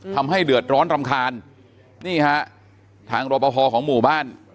ทำให้เดือดร้อนรำคาญนี่ฮะทางรอปภของหมู่บ้าน